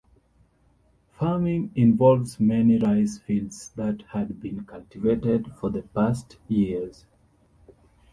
Farming involves many rice fields that had been cultivated for the past years.